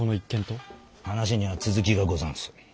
話には続きがござんす。